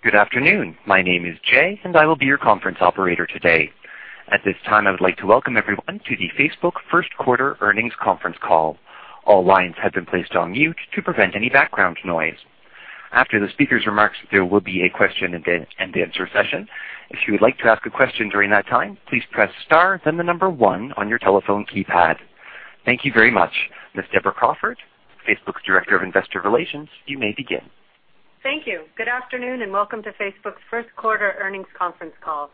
Good afternoon. My name is Jay, and I will be your conference operator today. At this time, I would like to welcome everyone to the Facebook first quarter earnings conference call. All lines have been placed on mute to prevent any background noise. After the speaker's remarks, there will be a question and answer session. If you would like to ask a question during that time, please press star then the number one on your telephone keypad. Thank you very much. Ms. Deborah Crawford, Facebook's Director of Investor Relations, you may begin. Thank you. Good afternoon, and welcome to Facebook's first quarter earnings conference call.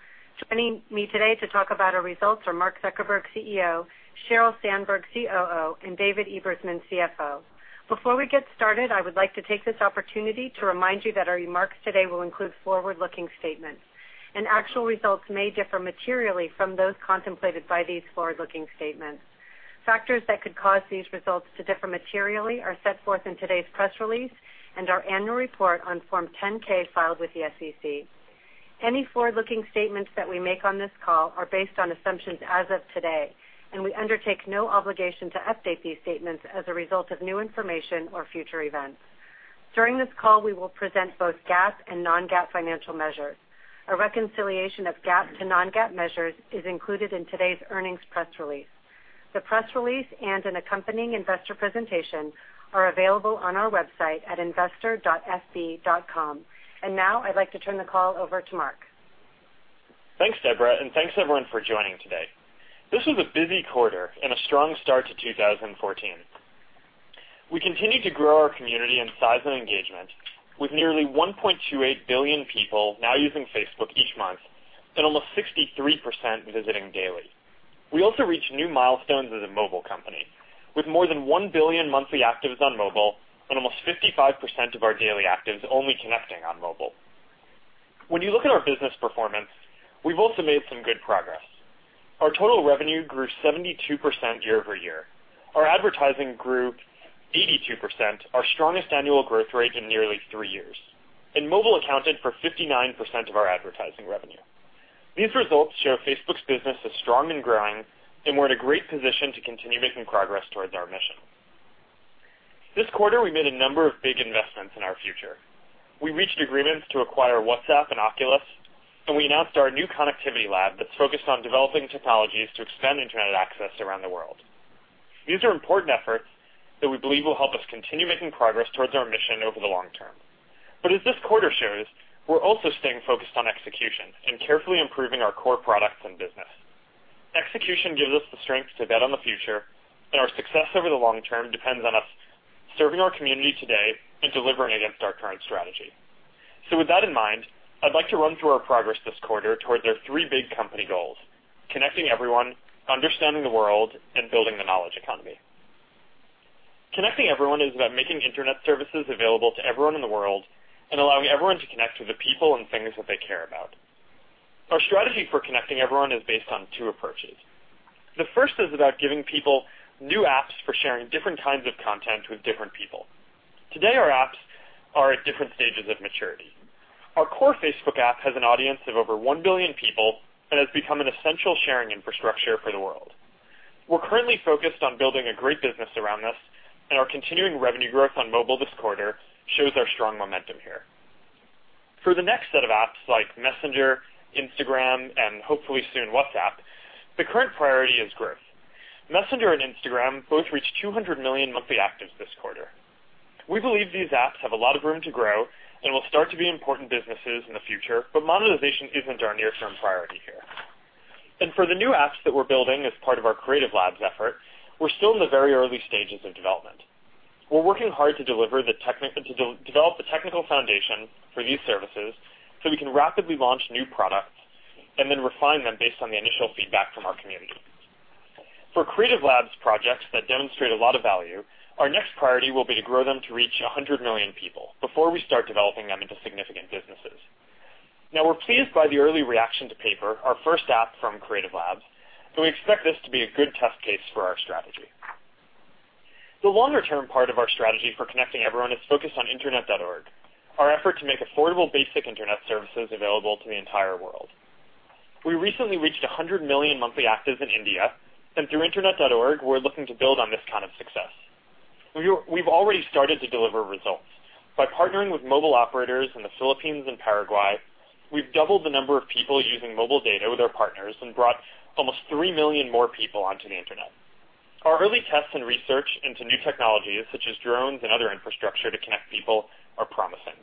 Joining me today to talk about our results are Mark Zuckerberg, CEO, Sheryl Sandberg, COO, and David Ebersman, CFO. Before we get started, I would like to take this opportunity to remind you that our remarks today will include forward-looking statements. Actual results may differ materially from those contemplated by these forward-looking statements. Factors that could cause these results to differ materially are set forth in today's press release and our annual report on Form 10-K filed with the SEC. Any forward-looking statements that we make on this call are based on assumptions as of today. We undertake no obligation to update these statements as a result of new information or future events. During this call, we will present both GAAP and non-GAAP financial measures. A reconciliation of GAAP to non-GAAP measures is included in today's earnings press release. The press release and an accompanying investor presentation are available on our website at investor.fb.com. Now I'd like to turn the call over to Mark. Thanks, Deborah, and thanks everyone for joining today. This was a busy quarter and a strong start to 2014. We continued to grow our community and size of engagement with nearly 1.28 billion people now using Facebook each month, and almost 63% visiting daily. We also reached new milestones as a mobile company. With more than 1 billion monthly actives on mobile and almost 55% of our daily actives only connecting on mobile. When you look at our business performance, we've also made some good progress. Our total revenue grew 72% year-over-year. Our advertising grew 82%, our strongest annual growth rate in nearly three years. Mobile accounted for 59% of our advertising revenue. These results show Facebook's business is strong and growing, and we're in a great position to continue making progress towards our mission. This quarter, we made a number of big investments in our future. We reached agreements to acquire WhatsApp and Oculus. We announced our new Connectivity Lab that's focused on developing technologies to expand internet access around the world. These are important efforts that we believe will help us continue making progress towards our mission over the long term. As this quarter shows, we're also staying focused on execution and carefully improving our core products and business. Execution gives us the strength to bet on the future, and our success over the long term depends on us serving our community today and delivering against our current strategy. With that in mind, I'd like to run through our progress this quarter toward their three big company goals: connecting everyone, understanding the world, and building the knowledge economy. Connecting everyone is about making internet services available to everyone in the world and allowing everyone to connect to the people and things that they care about. Our strategy for connecting everyone is based on two approaches. The first is about giving people new apps for sharing different kinds of content with different people. Today, our apps are at different stages of maturity. Our core Facebook app has an audience of over 1 billion people and has become an essential sharing infrastructure for the world. We're currently focused on building a great business around this, and our continuing revenue growth on mobile this quarter shows our strong momentum here. For the next set of apps like Messenger, Instagram, and hopefully soon WhatsApp, the current priority is growth. Messenger and Instagram both reached 200 million monthly actives this quarter. We believe these apps have a lot of room to grow and will start to be important businesses in the future. Monetization isn't our near-term priority here. For the new apps that we're building as part of our Creative Labs effort, we're still in the very early stages of development. We're working hard to develop the technical foundation for these services so we can rapidly launch new products and then refine them based on the initial feedback from our community. For Creative Labs projects that demonstrate a lot of value, our next priority will be to grow them to reach 100 million people before we start developing them into significant businesses. We're pleased by the early reaction to Paper, our first app from Creative Labs, and we expect this to be a good test case for our strategy. The longer-term part of our strategy for connecting everyone is focused on Internet.org, our effort to make affordable basic internet services available to the entire world. We recently reached 100 million monthly actives in India. Through Internet.org, we're looking to build on this kind of success. We've already started to deliver results. By partnering with mobile operators in the Philippines and Paraguay, we've doubled the number of people using mobile data with our partners and brought almost 3 million more people onto the internet. Our early tests and research into new technologies, such as drones and other infrastructure to connect people are promising.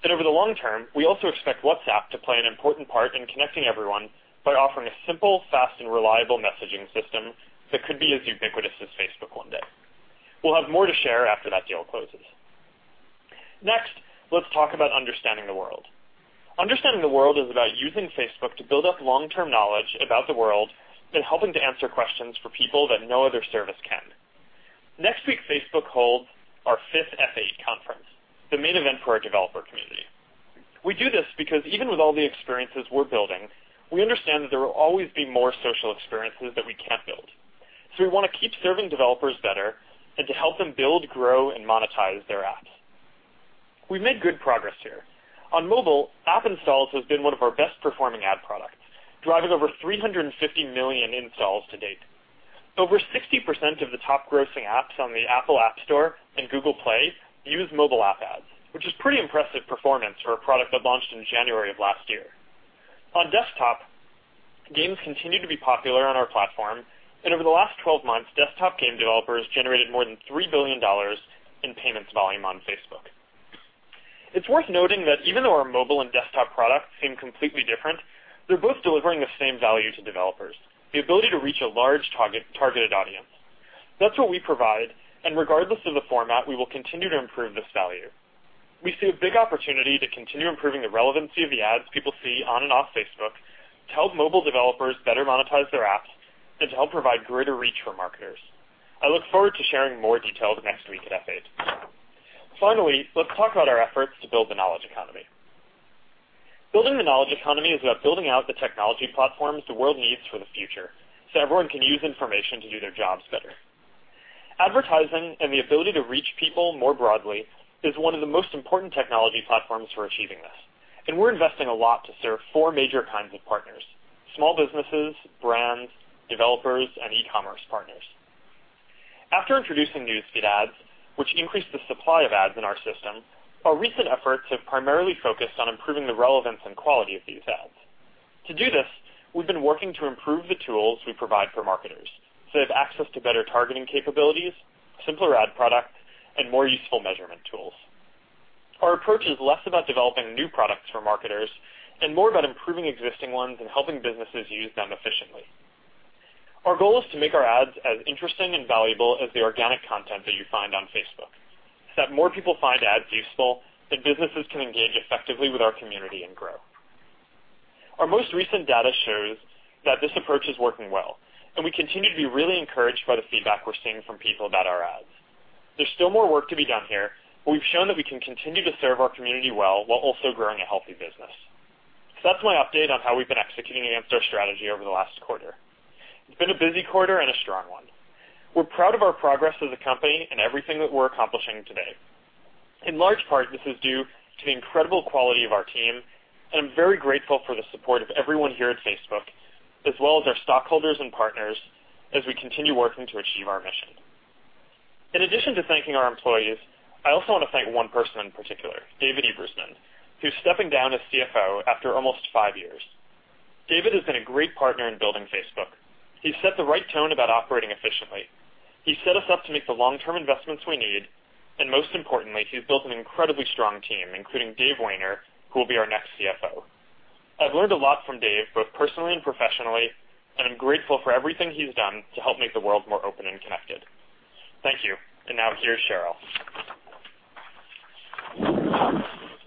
Over the long term, we also expect WhatsApp to play an important part in connecting everyone by offering a simple, fast, and reliable messaging system that could be as ubiquitous as Facebook one day. We'll have more to share after that deal closes. Let's talk about understanding the world. Understanding the world is about using Facebook to build up long-term knowledge about the world and helping to answer questions for people that no other service can. Next week, Facebook holds our fifth F8 conference, the main event for our developer community. We do this because even with all the experiences we're building, we understand that there will always be more social experiences that we can't build. We want to keep serving developers better and to help them build, grow, and monetize their apps. We've made good progress here. On mobile, App Installs has been one of our best performing ad products, driving over 350 million installs to date. Over 60% of the top grossing apps on the Apple App Store and Google Play use mobile app ads, which is pretty impressive performance for a product that launched in January of last year. On desktop, games continue to be popular on our platform. Over the last 12 months, desktop game developers generated more than $3 billion in payments volume on Facebook. It's worth noting that even though our mobile and desktop products seem completely different, they're both delivering the same value to developers, the ability to reach a large targeted audience. That's what we provide. Regardless of the format, we will continue to improve this value. We see a big opportunity to continue improving the relevancy of the ads people see on and off Facebook, to help mobile developers better monetize their apps, and to help provide greater reach for marketers. I look forward to sharing more details next week at F8. Finally, let's talk about our efforts to build the knowledge economy. Building the knowledge economy is about building out the technology platforms the world needs for the future. Everyone can use information to do their jobs better. Advertising and the ability to reach people more broadly is one of the most important technology platforms for achieving this. We're investing a lot to serve four major kinds of partners, small businesses, brands, developers, and e-commerce partners. After introducing News Feed ads, which increased the supply of ads in our system, our recent efforts have primarily focused on improving the relevance and quality of these ads. To do this, we've been working to improve the tools we provide for marketers. They have access to better targeting capabilities, simpler ad products, and more useful measurement tools. Our approach is less about developing new products for marketers and more about improving existing ones and helping businesses use them efficiently. Our goal is to make our ads as interesting and valuable as the organic content that you find on Facebook, that more people find ads useful, and businesses can engage effectively with our community and grow. Our most recent data shows that this approach is working well. We continue to be really encouraged by the feedback we're seeing from people about our ads. There's still more work to be done here. We've shown that we can continue to serve our community well while also growing a healthy business. That's my update on how we've been executing against our strategy over the last quarter. It's been a busy quarter and a strong one. We're proud of our progress as a company and everything that we're accomplishing today. In large part, this is due to the incredible quality of our team, and I'm very grateful for the support of everyone here at Facebook, as well as our stockholders and partners as we continue working to achieve our mission. In addition to thanking our employees, I also want to thank one person in particular, David Ebersman, who's stepping down as CFO after almost five years. David has been a great partner in building Facebook. He's set the right tone about operating efficiently. He set us up to make the long-term investments we need, most importantly, he's built an incredibly strong team, including Dave Wehner, who will be our next CFO. I've learned a lot from Dave, both personally and professionally, I'm grateful for everything he's done to help make the world more open and connected. Thank you. Now here's Sheryl.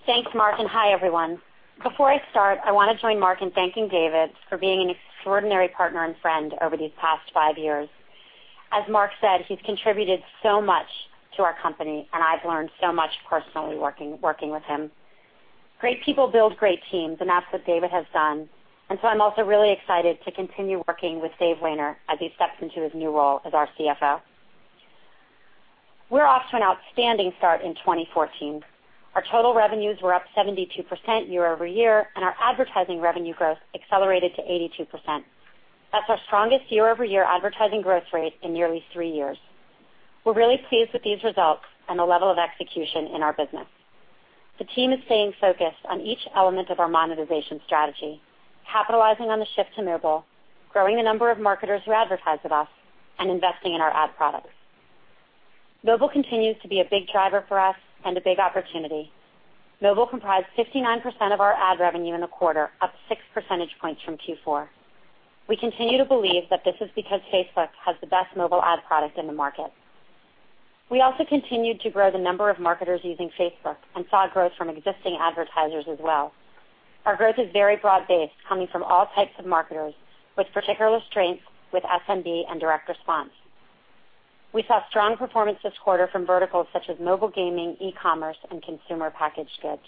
Thanks, Mark, hi, everyone. Before I start, I want to join Mark in thanking David for being an extraordinary partner and friend over these past five years. As Mark said, he's contributed so much to our company, I've learned so much personally working with him. Great people build great teams, that's what David has done, so I'm also really excited to continue working with Dave Wehner as he steps into his new role as our CFO. We're off to an outstanding start in 2014. Our total revenues were up 72% year-over-year, our advertising revenue growth accelerated to 82%. That's our strongest year-over-year advertising growth rate in nearly three years. We're really pleased with these results and the level of execution in our business. The team is staying focused on each element of our monetization strategy, capitalizing on the shift to mobile, growing the number of marketers who advertise with us, investing in our ad products. Mobile continues to be a big driver for us and a big opportunity. Mobile comprised 59% of our ad revenue in the quarter, up six percentage points from Q4. We continue to believe that this is because Facebook has the best mobile ad product in the market. We also continued to grow the number of marketers using Facebook and saw growth from existing advertisers as well. Our growth is very broad-based, coming from all types of marketers, with particular strength with SMB and direct response. We saw strong performance this quarter from verticals such as mobile gaming, e-commerce, and consumer packaged goods.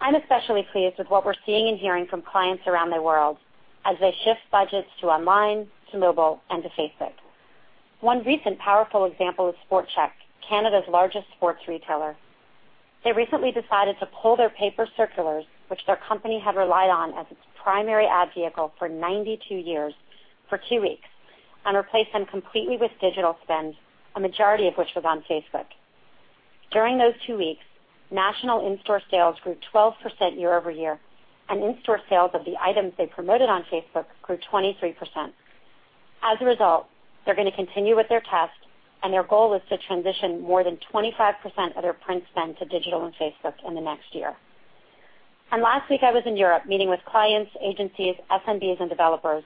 I'm especially pleased with what we're seeing and hearing from clients around the world as they shift budgets to online, to mobile, and to Facebook. One recent powerful example is Sport Chek, Canada's largest sports retailer. They recently decided to pull their paper circulars, which their company had relied on as its primary ad vehicle for 92 years, for two weeks, and replace them completely with digital spend, a majority of which was on Facebook. During those two weeks, national in-store sales grew 12% year-over-year, and in-store sales of the items they promoted on Facebook grew 23%. As a result, they're going to continue with their test. Their goal is to transition more than 25% of their print spend to digital and Facebook in the next year. Last week I was in Europe meeting with clients, agencies, SMBs, and developers,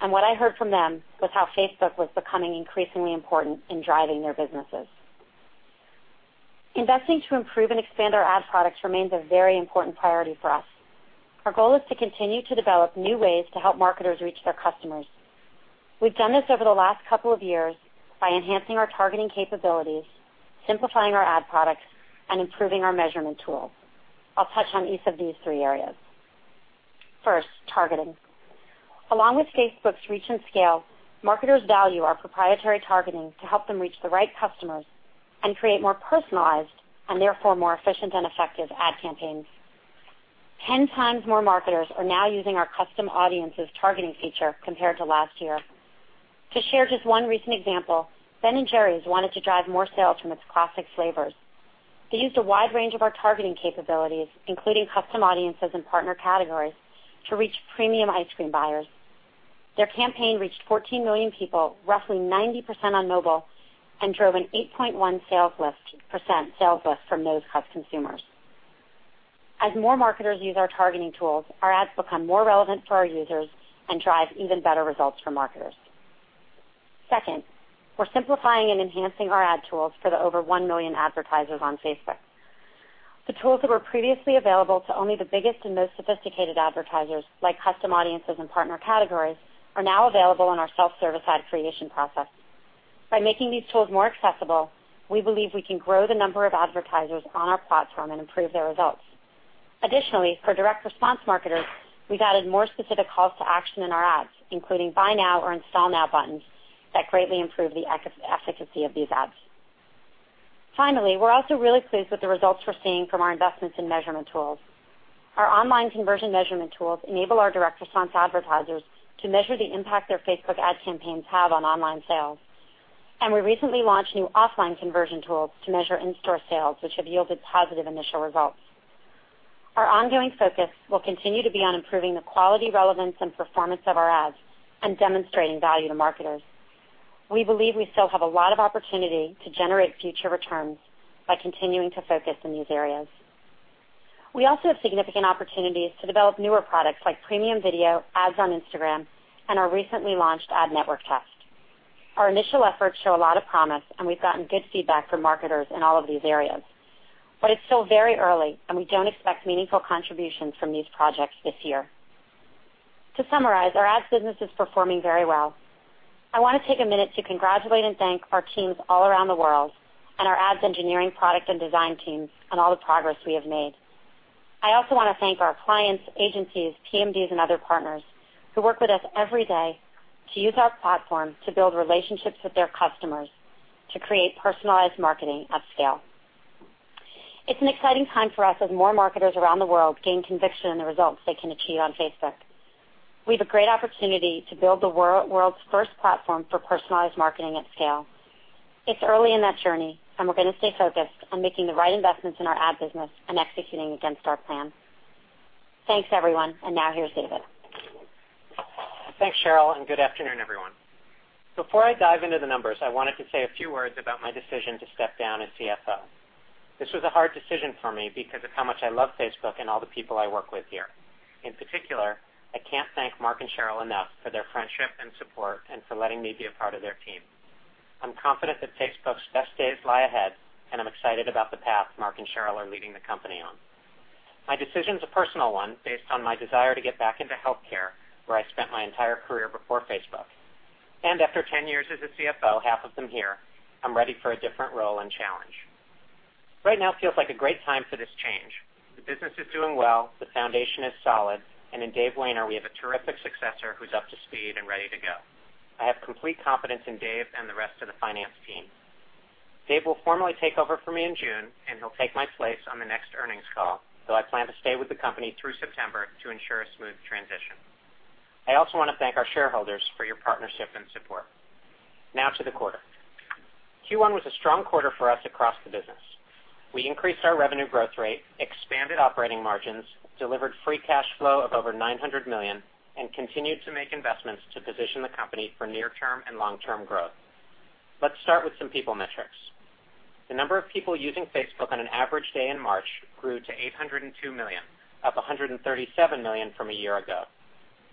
and what I heard from them was how Facebook was becoming increasingly important in driving their businesses. Investing to improve and expand our ad products remains a very important priority for us. Our goal is to continue to develop new ways to help marketers reach their customers. We've done this over the last couple of years by enhancing our targeting capabilities, simplifying our ad products, and improving our measurement tools. I'll touch on each of these three areas. First, targeting. Along with Facebook's reach and scale, marketers value our proprietary targeting to help them reach the right customers and create more personalized and therefore more efficient and effective ad campaigns. 10 times more marketers are now using our Custom Audiences targeting feature compared to last year. To share just one recent example, Ben & Jerry's wanted to drive more sales from its classic flavors. They used a wide range of our targeting capabilities, including Custom Audiences and Partner Categories, to reach premium ice cream buyers. Their campaign reached 14 million people, roughly 90% on mobile, and drove an 8.1% sales lift from those consumers. As more marketers use our targeting tools, our ads become more relevant for our users and drive even better results for marketers. Second, we're simplifying and enhancing our ad tools for the over 1 million advertisers on Facebook. The tools that were previously available to only the biggest and most sophisticated advertisers, like Custom Audiences and Partner Categories, are now available on our self-service ad creation process. By making these tools more accessible, we believe we can grow the number of advertisers on our platform and improve their results. Additionally, for direct response marketers, we've added more specific calls to action in our ads, including Buy Now or Install Now buttons that greatly improve the efficacy of these ads. Finally, we're also really pleased with the results we're seeing from our investments in measurement tools. Our online conversion measurement tools enable our direct response advertisers to measure the impact their Facebook ad campaigns have on online sales. We recently launched new offline conversion tools to measure in-store sales, which have yielded positive initial results. Our ongoing focus will continue to be on improving the quality, relevance, and performance of our ads and demonstrating value to marketers. We believe we still have a lot of opportunity to generate future returns by continuing to focus in these areas. We also have significant opportunities to develop newer products like premium video, ads on Instagram, and our recently launched ad network test. We've gotten good feedback from marketers in all of these areas. It's still very early, and we don't expect meaningful contributions from these projects this year. To summarize, our ads business is performing very well. I want to take a minute to congratulate and thank our teams all around the world and our ads engineering product and design teams on all the progress we have made. I also want to thank our clients, agencies, PMDs, and other partners who work with us every day to use our platform to build relationships with their customers to create personalized marketing at scale. It's an exciting time for us as more marketers around the world gain conviction in the results they can achieve on Facebook. We have a great opportunity to build the world's first platform for personalized marketing at scale. It's early in that journey, we're going to stay focused on making the right investments in our ad business and executing against our plan. Thanks, everyone. Now here's David. Thanks, Sheryl. Good afternoon, everyone. Before I dive into the numbers, I wanted to say a few words about my decision to step down as CFO. This was a hard decision for me because of how much I love Facebook and all the people I work with here. In particular, I can't thank Mark and Sheryl enough for their friendship and support and for letting me be a part of their team. I'm confident that Facebook's best days lie ahead, and I'm excited about the path Mark and Sheryl are leading the company on. My decision's a personal one based on my desire to get back into healthcare, where I spent my entire career before Facebook. After 10 years as a CFO, half of them here, I'm ready for a different role and challenge. Right now feels like a great time for this change. The business is doing well, the foundation is solid, in Dave Wehner, we have a terrific successor who's up to speed and ready to go. I have complete confidence in Dave and the rest of the finance team. Dave will formally take over for me in June, he'll take my place on the next earnings call, though I plan to stay with the company through September to ensure a smooth transition. I also want to thank our shareholders for your partnership and support. Now to the quarter. Q1 was a strong quarter for us across the business. We increased our revenue growth rate, expanded operating margins, delivered free cash flow of over $900 million, and continued to make investments to position the company for near-term and long-term growth. Let's start with some people metrics. The number of people using Facebook on an average day in March grew to 802 million, up 137 million from a year ago.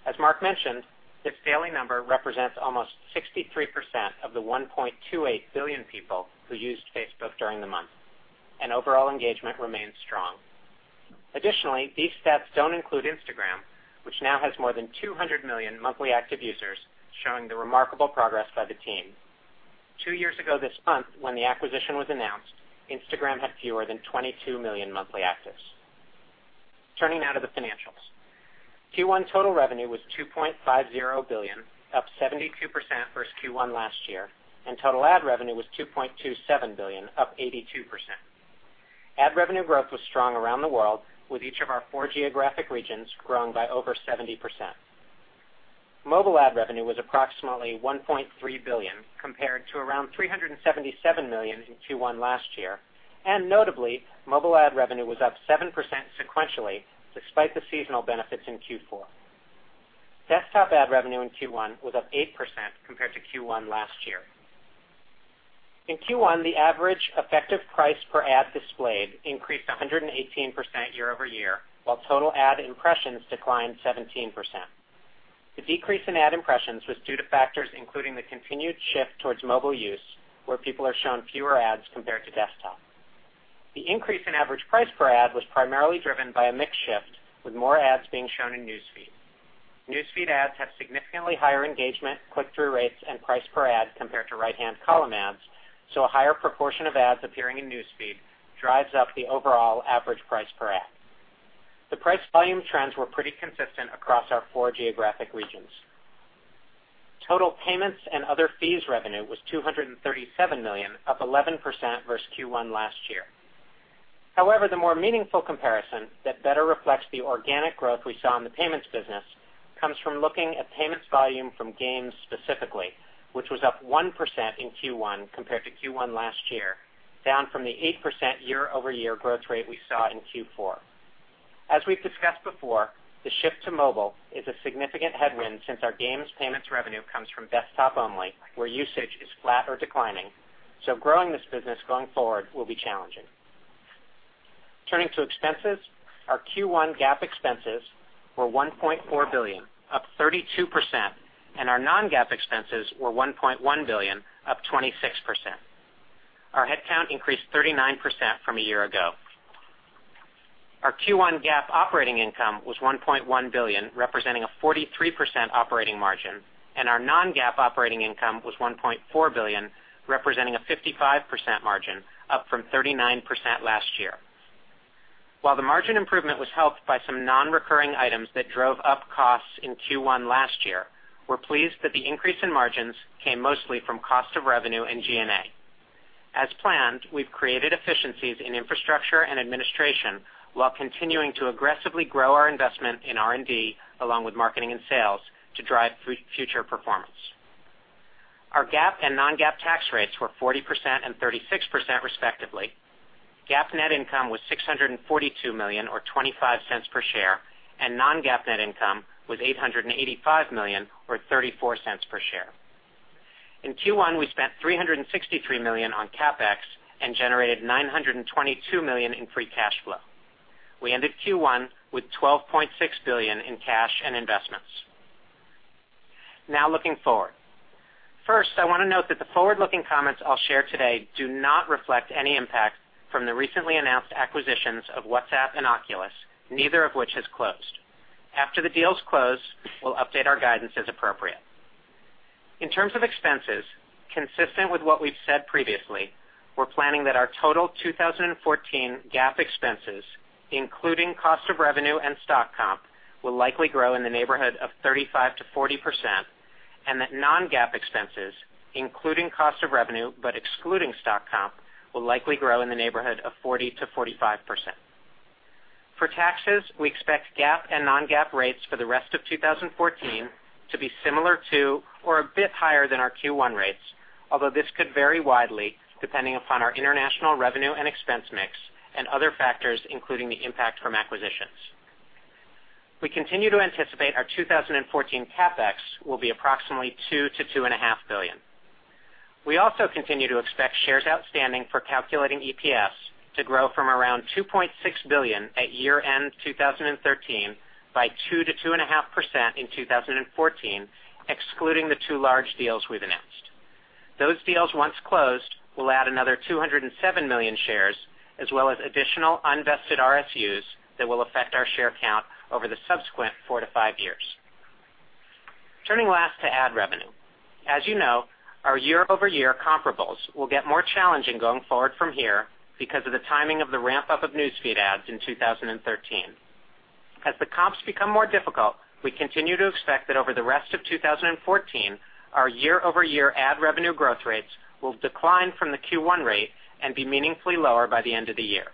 As Mark mentioned, this daily number represents almost 63% of the 1.28 billion people who used Facebook during the month, and overall engagement remains strong. Additionally, these stats don't include Instagram, which now has more than 200 million monthly active users, showing the remarkable progress by the team. Two years ago this month, when the acquisition was announced, Instagram had fewer than 22 million monthly actives. Turning now to the financials. Q1 total revenue was $2.50 billion, up 72% versus Q1 last year, and total ad revenue was $2.27 billion, up 82%. Ad revenue growth was strong around the world, with each of our four geographic regions growing by over 70%. Mobile ad revenue was approximately $1.3 billion, compared to around $377 million in Q1 last year. Notably, mobile ad revenue was up 7% sequentially, despite the seasonal benefits in Q4. Desktop ad revenue in Q1 was up 8% compared to Q1 last year. In Q1, the average effective price per ad displayed increased 118% year-over-year, while total ad impressions declined 17%. The decrease in ad impressions was due to factors including the continued shift towards mobile use, where people are shown fewer ads compared to desktop. The increase in average price per ad was primarily driven by a mix shift, with more ads being shown in News Feed. News Feed ads have significantly higher engagement, click-through rates, and price per ad compared to right-hand column ads, so a higher proportion of ads appearing in News Feed drives up the overall average price per ad. The price volume trends were pretty consistent across our four geographic regions. Total payments and other fees revenue was $237 million, up 11% versus Q1 last year. However, the more meaningful comparison that better reflects the organic growth we saw in the payments business comes from looking at payments volume from gains specifically, which was up 1% in Q1 compared to Q1 last year, down from the 8% year-over-year growth rate we saw in Q4. As we've discussed before, the shift to mobile is a significant headwind since our games payments revenue comes from desktop only, where usage is flat or declining. Growing this business going forward will be challenging. Turning to expenses, our Q1 GAAP expenses were $1.4 billion, up 32%, and our non-GAAP expenses were $1.1 billion, up 26%. Our headcount increased 39% from a year ago. Our Q1 GAAP operating income was $1.1 billion, representing a 43% operating margin, and our non-GAAP operating income was $1.4 billion, representing a 55% margin, up from 39% last year. While the margin improvement was helped by some non-recurring items that drove up costs in Q1 last year, we're pleased that the increase in margins came mostly from cost of revenue and G&A. As planned, we've created efficiencies in infrastructure and administration while continuing to aggressively grow our investment in R&D, along with marketing and sales, to drive future performance. Our GAAP and non-GAAP tax rates were 40% and 36% respectively. GAAP net income was $642 million, or $0.25 per share, and non-GAAP net income was $885 million, or $0.34 per share. In Q1, we spent $363 million on CapEx and generated $922 million in free cash flow. We ended Q1 with $12.6 billion in cash and investments. Now looking forward. First, I want to note that the forward-looking comments I'll share today do not reflect any impact from the recently announced acquisitions of WhatsApp and Oculus, neither of which has closed. After the deals close, we'll update our guidance as appropriate. In terms of expenses, consistent with what we've said previously, we're planning that our total 2014 GAAP expenses, including cost of revenue and stock comp, will likely grow in the neighborhood of 35%-40% and that non-GAAP expenses, including cost of revenue but excluding stock comp, will likely grow in the neighborhood of 40%-45%. For taxes, we expect GAAP and non-GAAP rates for the rest of 2014 to be similar to or a bit higher than our Q1 rates, although this could vary widely depending upon our international revenue and expense mix and other factors, including the impact from acquisitions. We continue to anticipate our 2014 CapEx will be approximately $2 billion-$2.5 billion. We also continue to expect shares outstanding for calculating EPS to grow from around 2.6 billion at year-end 2013 by 2%-2.5% in 2014, excluding the two large deals we've announced. Those deals, once closed, will add another 207 million shares, as well as additional unvested RSUs that will affect our share count over the subsequent 4-5 years. Turning last to ad revenue. As you know, our year-over-year comparables will get more challenging going forward from here because of the timing of the ramp-up of News Feed ads in 2013. As the comps become more difficult, we continue to expect that over the rest of 2014, our year-over-year ad revenue growth rates will decline from the Q1 rate and be meaningfully lower by the end of the year.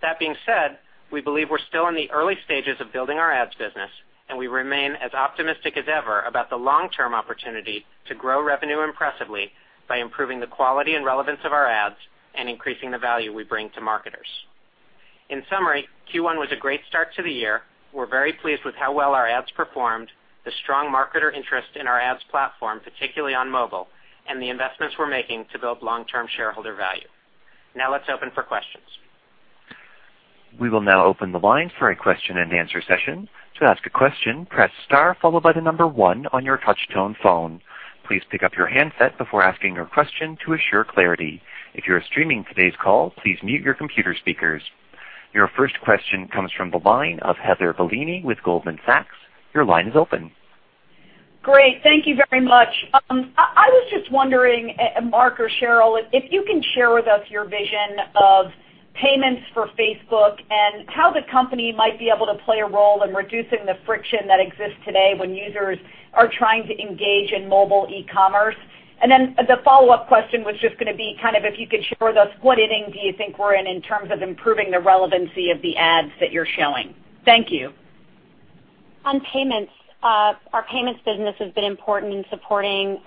That being said, we believe we're still in the early stages of building our ads business, and we remain as optimistic as ever about the long-term opportunity to grow revenue impressively by improving the quality and relevance of our ads and increasing the value we bring to marketers. In summary, Q1 was a great start to the year. We're very pleased with how well our ads performed, the strong marketer interest in our ads platform, particularly on mobile, and the investments we're making to build long-term shareholder value. Now let's open for questions. We will now open the line for a question-and-answer session. To ask a question, press star followed by the number 1 on your touch-tone phone. Please pick up your handset before asking your question to assure clarity. If you're streaming today's call, please mute your computer speakers. Your first question comes from the line of Heather Bellini with Goldman Sachs. Your line is open. Great. Thank you very much. I was just wondering, Mark or Sheryl, if you can share with us your vision of payments for Facebook and how the company might be able to play a role in reducing the friction that exists today when users are trying to engage in mobile e-commerce. The follow-up question was just going to be if you could share with us what inning do you think we're in terms of improving the relevancy of the ads that you're showing? Thank you. On payments, our payments business has been important in supporting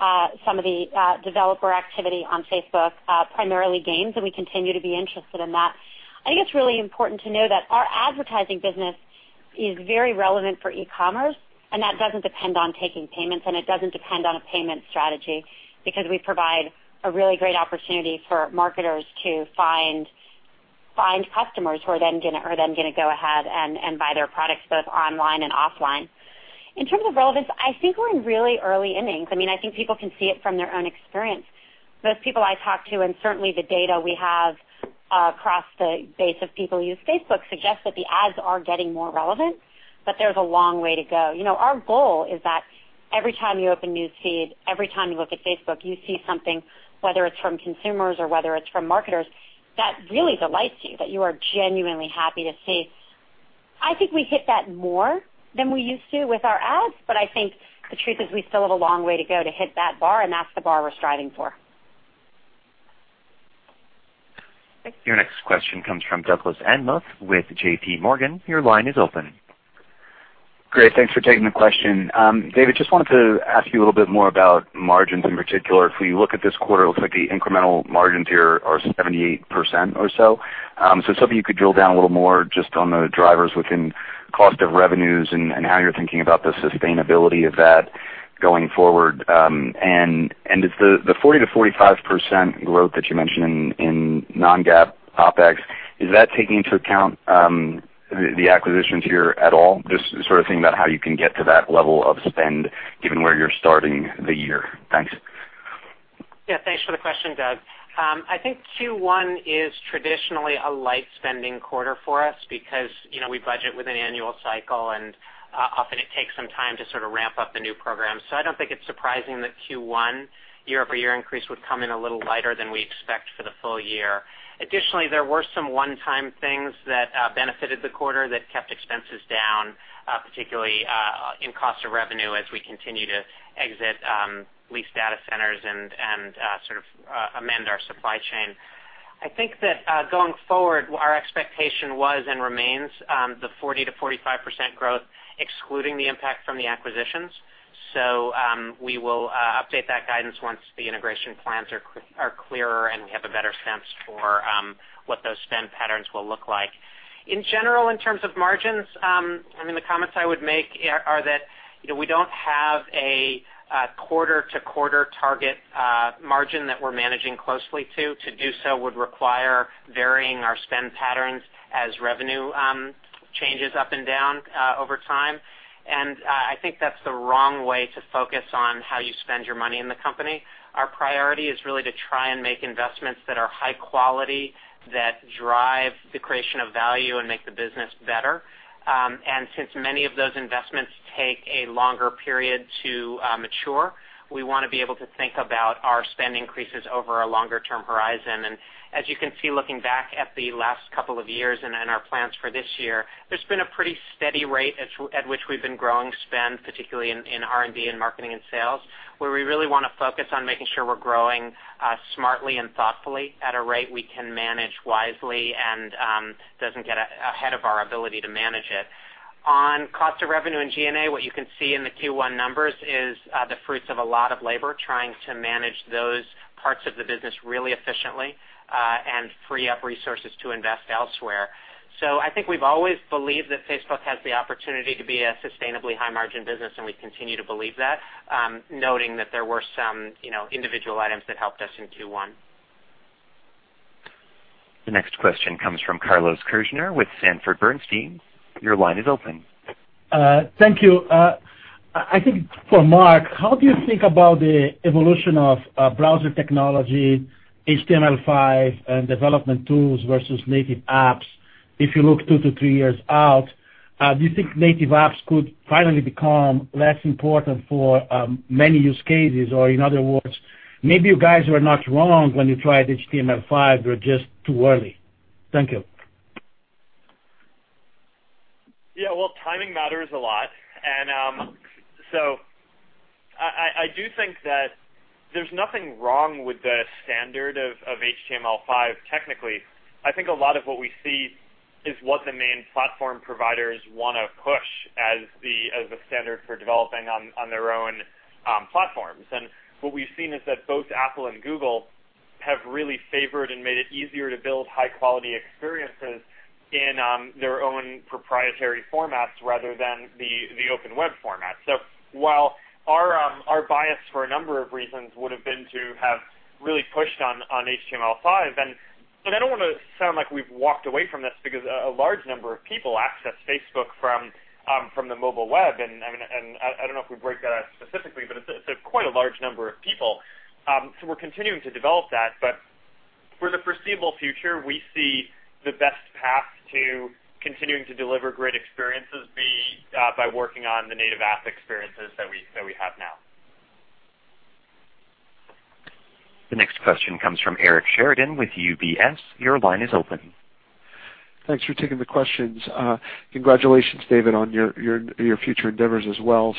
some of the developer activity on Facebook, primarily games, and we continue to be interested in that. I think it's really important to know that our advertising business is very relevant for e-commerce, and that doesn't depend on taking payments, and it doesn't depend on a payment strategy because we provide a really great opportunity for marketers to find customers who are then going to go ahead and buy their products both online and offline. In terms of relevance, I think we're in really early innings. I think people can see it from their own experience. Most people I talk to, and certainly the data we have across the base of people who use Facebook, suggests that the ads are getting more relevant, but there's a long way to go. Our goal is that every time you open News Feed, every time you look at Facebook, you see something, whether it's from consumers or whether it's from marketers, that really delights you, that you are genuinely happy to see. I think we hit that more than we used to with our ads. I think the truth is we still have a long way to go to hit that bar, and that's the bar we're striving for. Your next question comes from Douglas Anmuth with J.P. Morgan. Your line is open. Great. Thanks for taking the question. David, just wanted to ask you a little bit more about margins in particular. If we look at this quarter, it looks like the incremental margins here are 78% or so. Just hoping you could drill down a little more just on the drivers within cost of revenues and how you're thinking about the sustainability of that going forward. And the 40%-45% growth that you mentioned in non-GAAP OpEx, is that taking into account the acquisitions here at all? Just sort of thinking about how you can get to that level of spend given where you're starting the year. Thanks. Yeah, thanks for the question, Doug. I think Q1 is traditionally a light spending quarter for us because we budget with an annual cycle, and often it takes some time to sort of ramp up the new program. I don't think it's surprising that Q1 year-over-year increase would come in a little lighter than we expect for the full year. Additionally, there were some one-time things that benefited the quarter that kept expenses down, particularly in cost of revenue as we continue to exit leased data centers and sort of amend our supply chain. I think that going forward, our expectation was and remains the 40%-45% growth, excluding the impact from the acquisitions. We will update that guidance once the integration plans are clearer and we have a better sense for what those spend patterns will look like. In general, in terms of margins, the comments I would make are that we don't have a quarter-to-quarter target margin that we're managing closely to. To do so would require varying our spend patterns as revenue changes up and down over time. I think that's the wrong way to focus on how you spend your money in the company. Our priority is really to try and make investments that are high quality, that drive the creation of value and make the business better. Since many of those investments take a longer period to mature, we want to be able to think about our spend increases over a longer-term horizon. As you can see, looking back at the last couple of years and our plans for this year, there's been a pretty steady rate at which we've been growing spend, particularly in R&D and marketing and sales, where we really want to focus on making sure we're growing smartly and thoughtfully at a rate we can manage wisely and doesn't get ahead of our ability to manage it. On cost of revenue and G&A, what you can see in the Q1 numbers is the fruits of a lot of labor, trying to manage those parts of the business really efficiently and free up resources to invest elsewhere. I think we've always believed that Facebook has the opportunity to be a sustainably high-margin business, and we continue to believe that, noting that there were some individual items that helped us in Q1. The next question comes from Carlos Kirjner with Sanford Bernstein. Your line is open. Thank you. I think for Mark, how do you think about the evolution of browser technology, HTML5, and development tools versus native apps? If you look two to three years out, do you think native apps could finally become less important for many use cases? In other words, maybe you guys were not wrong when you tried HTML5, you were just too early. Thank you. Yeah. Well, timing matters a lot. I do think that there's nothing wrong with the standard of HTML5, technically. I think a lot of what we see is what the main platform providers want to push as the standard for developing on their own platforms. What we've seen is that both Apple and Google have really favored and made it easier to build high-quality experiences in their own proprietary formats rather than the open web format. While our bias for a number of reasons would've been to have really pushed on HTML5, and I don't want to sound like we've walked away from this because a large number of people access Facebook from the mobile web, and I don't know if we break that out specifically, but it's quite a large number of people. We're continuing to develop that, but for the foreseeable future, we see the best path to continuing to deliver great experiences be by working on the native app experiences that we have now. The next question comes from Eric Sheridan with UBS. Your line is open. Thanks for taking the questions. Congratulations, David, on your future endeavors as well.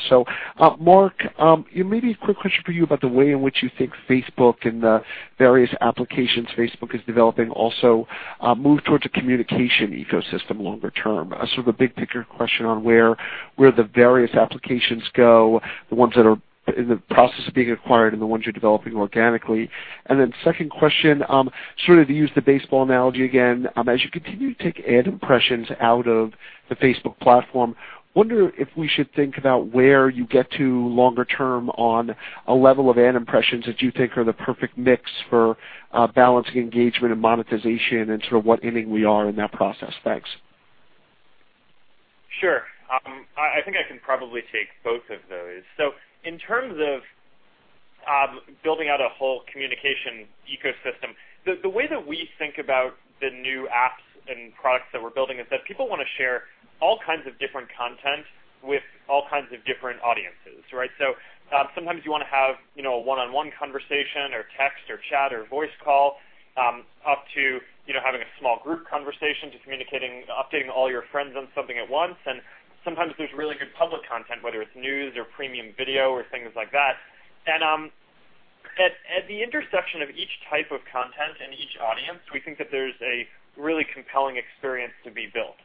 Second question, sort of to use the baseball analogy again, as you continue to take ad impressions out of the Facebook platform, wonder if we should think about where you get to longer term on a level of ad impressions that you think are the perfect mix for balancing engagement and monetization and sort of what inning we are in that process. Thanks. Sure. I think I can probably take both of those. In terms of building out a whole communication ecosystem. The way that we think about the new apps and products that we're building is that people want to share all kinds of different content with all kinds of different audiences, right? Sometimes you want to have a one-on-one conversation, or text, or chat, or voice call, up to having a small group conversation to updating all your friends on something at once. Sometimes there's really good public content, whether it's news or premium video or things like that. At the intersection of each type of content and each audience, we think that there's a really compelling experience to be built.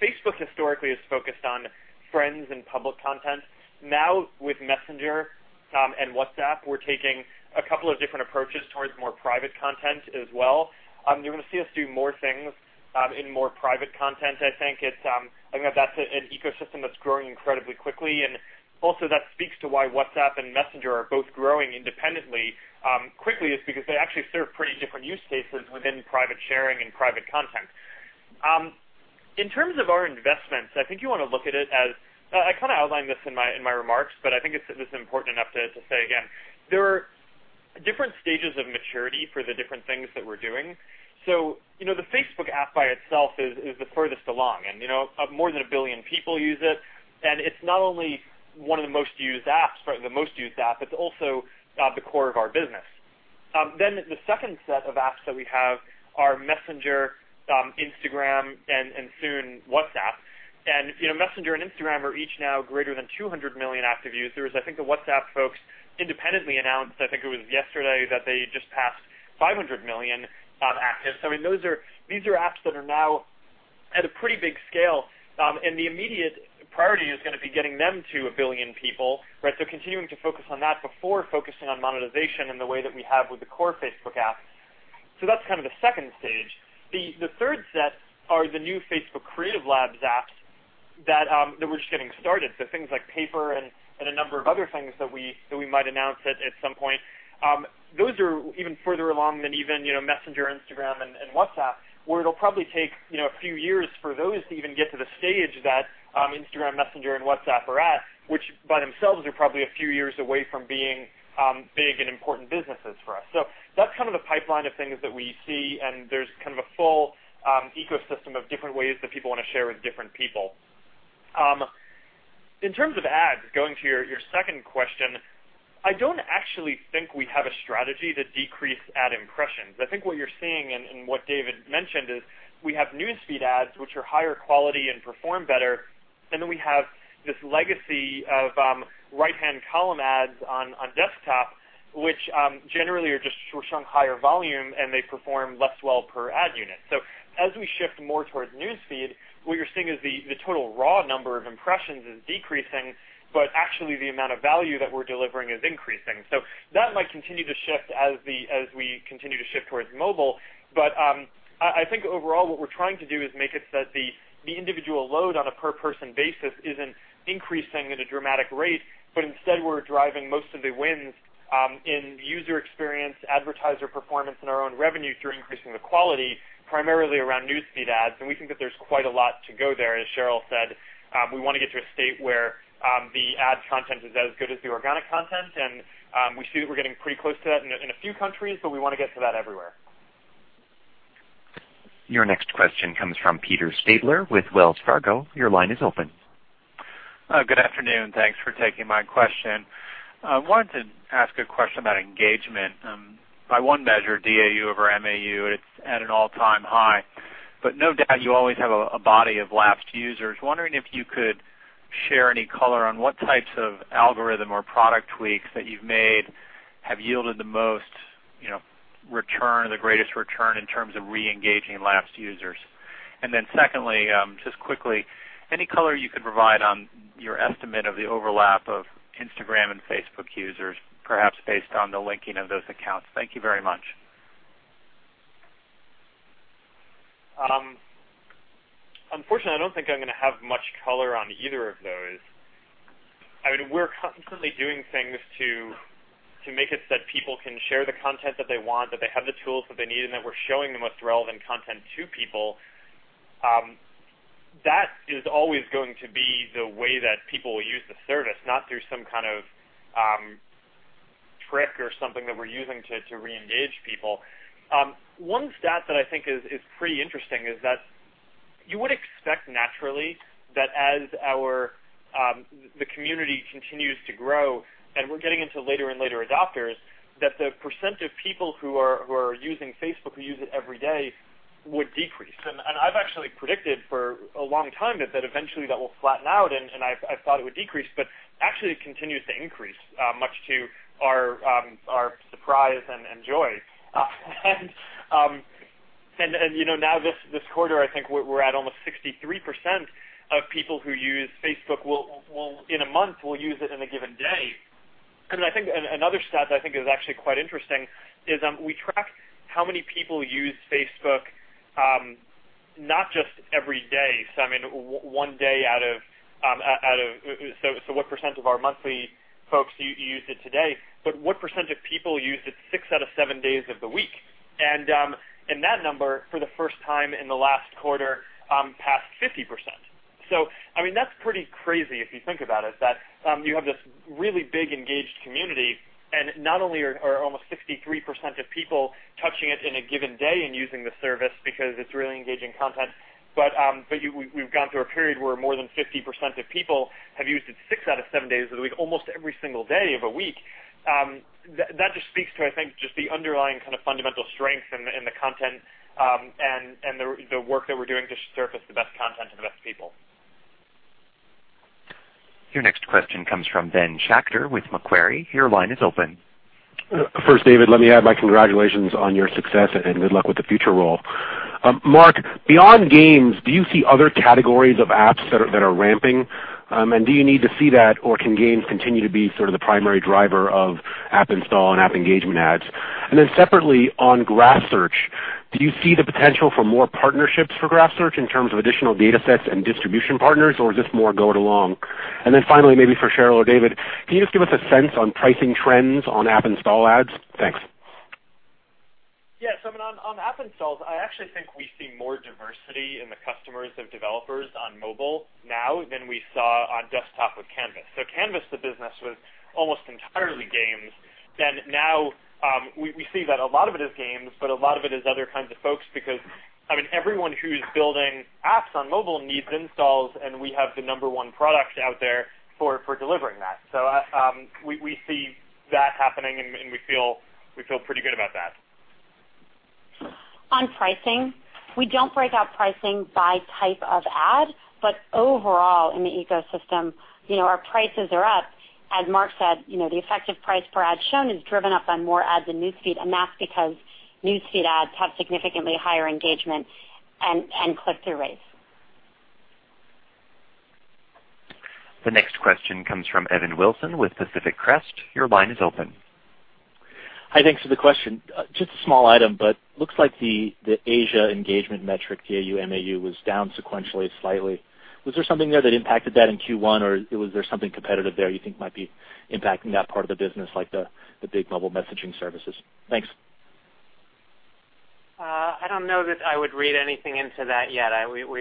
Facebook historically has focused on friends and public content. Now, with Messenger and WhatsApp, we're taking a couple of different approaches towards more private content as well. You're going to see us do more things in more private content. I think that's an ecosystem that's growing incredibly quickly. Also that speaks to why WhatsApp and Messenger are both growing independently quickly, is because they actually serve pretty different use cases within private sharing and private content. In terms of our investments, I kind of outlined this in my remarks, but I think it's important enough to say again. There are different stages of maturity for the different things that we're doing. The Facebook app by itself is the furthest along, and more than a billion people use it. It's not only one of the most used apps, the most used app, it's also the core of our business. The second set of apps that we have are Messenger, Instagram, and soon WhatsApp. Messenger and Instagram are each now greater than 200 million active users. I think the WhatsApp folks independently announced, I think it was yesterday, that they just passed 500 million actives. These are apps that are now at a pretty big scale. The immediate priority is going to be getting them to 1 billion people. Continuing to focus on that before focusing on monetization in the way that we have with the core Facebook app. That's kind of the second stage. The third set are the new Facebook Creative Labs apps that we're just getting started. Things like Paper and a number of other things that we might announce at some point. Those are even further along than even Messenger, Instagram, and WhatsApp, where it'll probably take a few years for those to even get to the stage that Instagram, Messenger, and WhatsApp are at, which by themselves are probably a few years away from being big and important businesses for us. That's kind of the pipeline of things that we see, and there's kind of a full ecosystem of different ways that people want to share with different people. In terms of ads, going to your second question, I don't actually think we have a strategy to decrease ad impressions. I think what you're seeing, and what David mentioned, is we have News Feed ads, which are higher quality and perform better. We have this legacy of right-hand column ads on desktop, which generally are just shown higher volume, and they perform less well per ad unit. As we shift more towards News Feed, what you're seeing is the total raw number of impressions is decreasing, but actually the amount of value that we're delivering is increasing. That might continue to shift as we continue to shift towards mobile. I think overall what we're trying to do is make it so that the individual load on a per person basis isn't increasing at a dramatic rate. Instead, we're driving most of the wins in user experience, advertiser performance, and our own revenue through increasing the quality, primarily around News Feed ads. We think that there's quite a lot to go there. As Sheryl said, we want to get to a state where the ad content is as good as the organic content, and we see that we're getting pretty close to that in a few countries, but we want to get to that everywhere. Your next question comes from Peter Stabler with Wells Fargo. Your line is open. Good afternoon. Thanks for taking my question. I wanted to ask a question about engagement. By one measure, DAU over MAU, it's at an all-time high, but no doubt you always have a body of lapsed users. Wondering if you could share any color on what types of algorithm or product tweaks that you've made have yielded the greatest return in terms of re-engaging lapsed users. Then secondly, just quickly, any color you could provide on your estimate of the overlap of Instagram and Facebook users, perhaps based on the linking of those accounts. Thank you very much. Unfortunately, I don't think I'm going to have much color on either of those. We're constantly doing things to make it so that people can share the content that they want, that they have the tools that they need, and that we're showing the most relevant content to people. That is always going to be the way that people will use the service, not through some kind of trick or something that we're using to re-engage people. One stat that I think is pretty interesting is that you would expect naturally that as the community continues to grow, and we're getting into later and later adopters, that the percent of people who are using Facebook, who use it every day, would decrease. I've actually predicted for a long time that eventually that will flatten out, and I thought it would decrease, but actually it continues to increase, much to our surprise and joy. Now this quarter, I think we're at almost 63% of people who use Facebook, in a month, will use it in a given day. Another stat that I think is actually quite interesting is we tracked how many people use Facebook, not just every day, so what percent of our monthly folks used it today. What percent of people used it six out of seven days of the week. That number, for the first time in the last quarter, passed 50%. That's pretty crazy if you think about it, that you have this really big engaged community, and not only are almost 63% of people touching it in a given day and using the service because it's really engaging content, but we've gone through a period where more than 50% of people have used it six out of seven days of the week, almost every single day of a week. That just speaks to, I think, just the underlying kind of fundamental strength in the content, and the work that we're doing to surface the best content and the best people. Your next question comes from Ben Schachter with Macquarie. Your line is open. First, David, let me add my congratulations on your success and good luck with the future role. Mark, beyond games, do you see other categories of apps that are ramping? Do you need to see that, or can games continue to be sort of the primary driver of App Installs and app engagement ads? Separately, on Graph Search, do you see the potential for more partnerships for Graph Search in terms of additional data sets and distribution partners, or is this more go it alone? Finally, maybe for Sheryl or David, can you just give us a sense on pricing trends on App Installs ads? Thanks. Yeah. On App Installs, I actually think we see more diversity in the customers of developers on mobile now than we saw on desktop with Canvas. Canvas, the business, was almost entirely games. Now, we see that a lot of it is games, but a lot of it is other kinds of folks, because everyone who's building apps on mobile needs installs, and we have the number one product out there for delivering that. We see that happening, and we feel pretty good about that. On pricing, we don't break out pricing by type of ad, but overall in the ecosystem, our prices are up. As Mark said, the effective price per ad shown is driven up on more ads in News Feed. That's because News Feed ads have significantly higher engagement and click-through rates. The next question comes from Evan Wilson with Pacific Crest. Your line is open. Hi. Thanks for the question. Just a small item, looks like the Asia engagement metric, the DAU, MAU, was down sequentially slightly. Was there something there that impacted that in Q1, or was there something competitive there you think might be impacting that part of the business, like the big mobile messaging services? Thanks. I don't know that I would read anything into that yet. We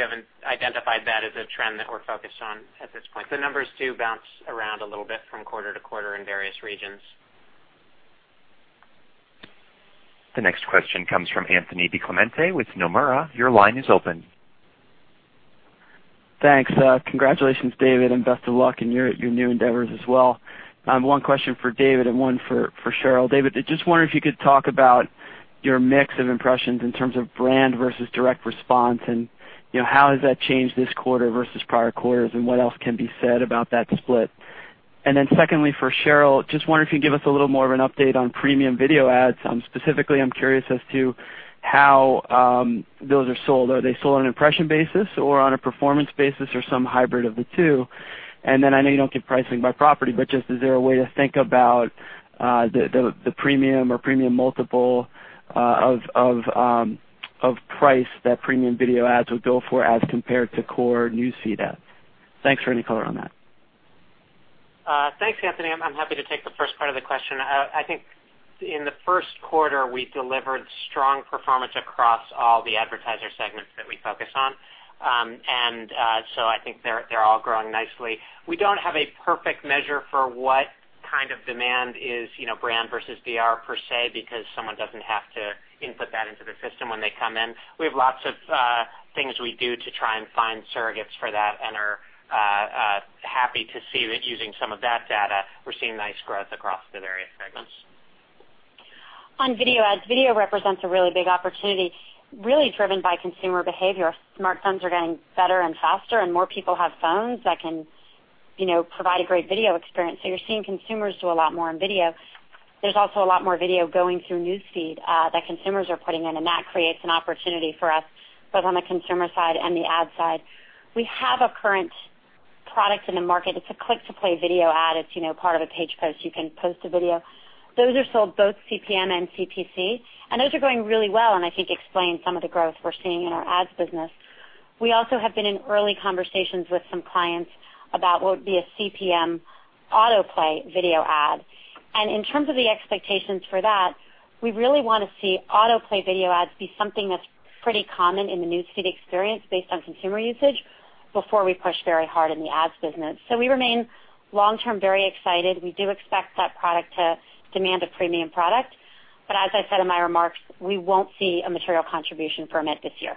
haven't identified that as a trend that we're focused on at this point. The numbers do bounce around a little bit from quarter to quarter in various regions. The next question comes from Anthony DiClemente with Nomura. Your line is open. Thanks. Congratulations, David, and best of luck in your new endeavors as well. One question for David and one for Sheryl. David, I just wonder if you could talk about your mix of impressions in terms of brand versus direct response and how has that changed this quarter versus prior quarters, and what else can be said about that split? Secondly, for Sheryl, just wonder if you could give us a little more of an update on premium video ads. Specifically, I'm curious as to how those are sold. Are they sold on an impression basis or on a performance basis or some hybrid of the two? I know you don't give pricing by property, but just is there a way to think about the premium or premium multiple of price that premium video ads would go for as compared to core News Feed ads? Thanks for any color on that. Thanks, Anthony. I'm happy to take the first part of the question. I think in the first quarter, we delivered strong performance across all the advertiser segments that we focus on. I think they're all growing nicely. We don't have a perfect measure for what kind of demand is brand versus DR per se because someone doesn't have to input that into the system when they come in. We have lots of things we do to try and find surrogates for that and are happy to see that using some of that data, we're seeing nice growth across the various segments. On video ads, video represents a really big opportunity, really driven by consumer behavior. Smartphones are getting better and faster, and more people have phones that can provide a great video experience. You're seeing consumers do a lot more on video. There's also a lot more video going through News Feed that consumers are putting in, and that creates an opportunity for us, both on the consumer side and the ad side. We have a current product in the market. It's a click-to-play video ad. It's part of a page post. You can post a video. Those are sold both CPM and CPC. Those are going really well and I think explain some of the growth we're seeing in our ads business. We also have been in early conversations with some clients about what would be a CPM autoplay video ad. In terms of the expectations for that, we really want to see autoplay video ads be something that's pretty common in the News Feed experience based on consumer usage before we push very hard in the ads business. We remain long-term very excited. We do expect that product to demand a premium product. As I said in my remarks, we won't see a material contribution from it this year.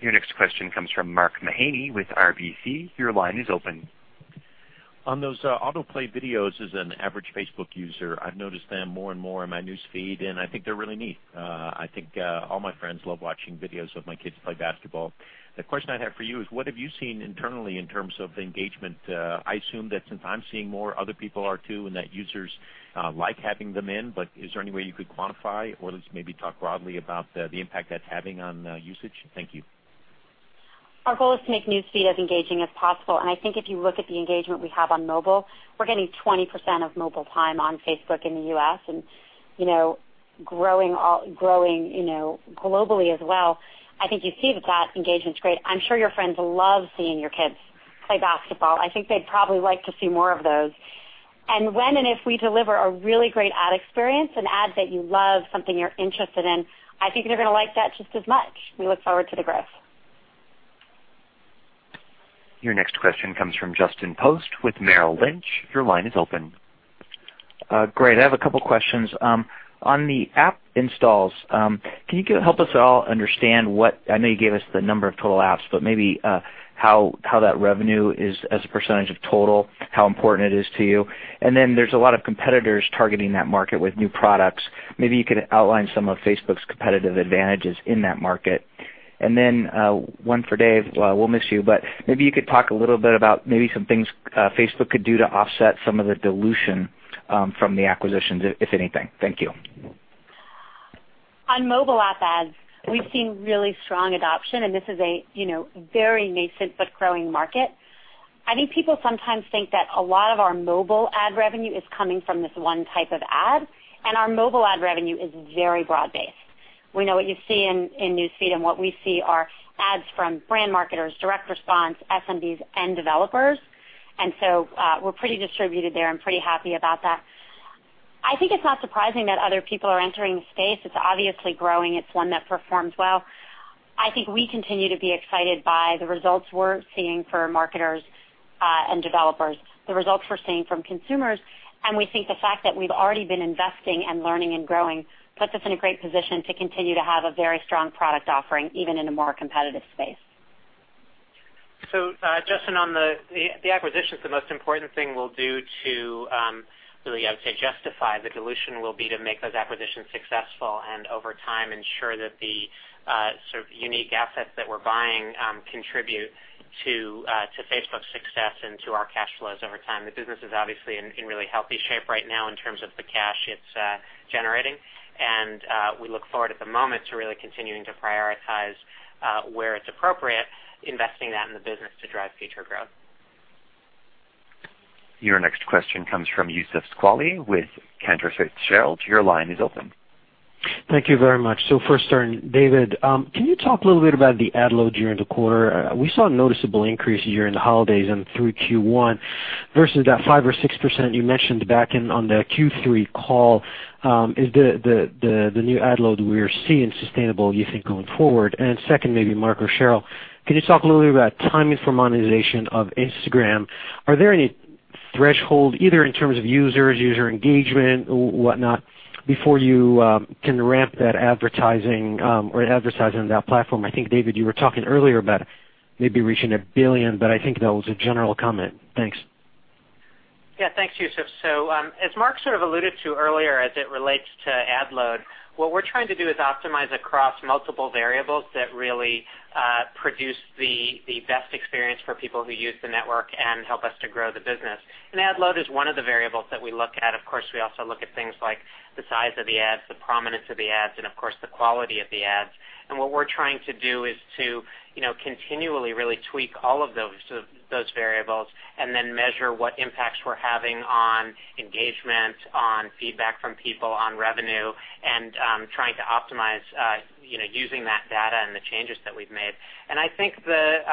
Your next question comes from Mark Mahaney with RBC. Your line is open. On those autoplay videos, as an average Facebook user, I've noticed them more and more in my News Feed. I think they're really neat. I think all my friends love watching videos of my kids play basketball. The question I have for you is, what have you seen internally in terms of engagement? I assume that since I'm seeing more, other people are too, and that users like having them in. Is there any way you could quantify or at least maybe talk broadly about the impact that's having on usage? Thank you. Our goal is to make News Feed as engaging as possible. I think if you look at the engagement we have on mobile, we're getting 20% of mobile time on Facebook in the U.S. and growing globally as well. I think you see that that engagement's great. I'm sure your friends love seeing your kids play basketball. I think they'd probably like to see more of those. When and if we deliver a really great ad experience, an ad that you love, something you're interested in, I think you're going to like that just as much. We look forward to the growth. Your next question comes from Justin Post with Merrill Lynch. Your line is open. Great. I have a couple questions. On the App Installs, can you help us at all understand what, I know you gave us the number of total apps, but maybe how that revenue is as a percentage of total, how important it is to you? Then there's a lot of competitors targeting that market with new products. Maybe you could outline some of Facebook's competitive advantages in that market. Then, one for Dave. We'll miss you, but maybe you could talk a little bit about maybe some things Facebook could do to offset some of the dilution from the acquisitions, if anything. Thank you. On mobile app ads, we've seen really strong adoption. This is a very nascent but growing market. I think people sometimes think that a lot of our mobile ad revenue is coming from this one type of ad. Our mobile ad revenue is very broad based. We know what you see in News Feed. What we see are ads from brand marketers, direct response, SMBs, and developers. So, we're pretty distributed there and pretty happy about that. I think it's not surprising that other people are entering the space. It's obviously growing. It's one that performs well. I think we continue to be excited by the results we're seeing for marketers and developers, the results we're seeing from consumers, and we think the fact that we've already been investing and learning and growing puts us in a great position to continue to have a very strong product offering, even in a more competitive space. Justin Post, on the acquisitions, the most important thing we'll do to really, I would say, justify the dilution will be to make those acquisitions successful and over time ensure that the sort of unique assets that we're buying contribute to Facebook's success and to our cash flows over time. The business is obviously in really healthy shape right now in terms of the cash it's generating. We look forward at the moment to really continuing to prioritize, where it's appropriate, investing that in the business to drive future growth. Your next question comes from Youssef Squali with Cantor Fitzgerald. Your line is open. Thank you very much. First, David Ebersman, can you talk a little bit about the ad load during the quarter? We saw a noticeable increase here in the holidays and through Q1 versus that five or six% you mentioned back on the Q3 call. Is the new ad load we are seeing sustainable, you think, going forward? Second, maybe Mark Zuckerberg or Sheryl Sandberg, can you talk a little bit about timing for monetization of Instagram? Are there any threshold, either in terms of users, user engagement or whatnot, before you can ramp that advertising or advertising on that platform? I think, David Ebersman, you were talking earlier about maybe reaching $1 billion, but I think that was a general comment. Thanks. Thanks, Youssef. As Mark sort of alluded to earlier, as it relates to ad load, what we're trying to do is optimize across multiple variables that really produce the best experience for people who use the network and help us to grow the business. Ad load is one of the variables that we look at. Of course, we also look at things like the size of the ads, the prominence of the ads, and of course, the quality of the ads. What we're trying to do is to continually really tweak all of those variables and then measure what impacts we're having on engagement, on feedback from people, on revenue, and trying to optimize using that data and the changes that we've made. I think the